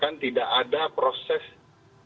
jangan sampai ketika ada proses penentuan